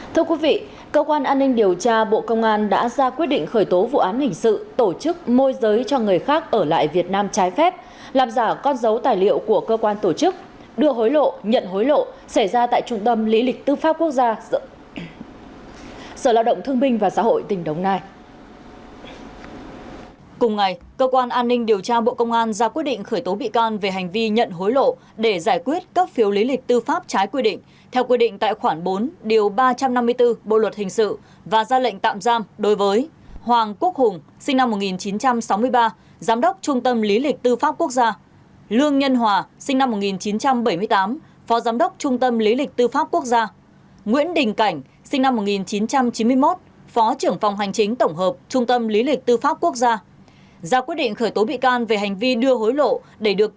thưa quý vị cơ quan an ninh điều tra bộ công an đã ra quyết định khởi tố vụ án hình sự tổ chức môi giới cho người khác